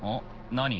何？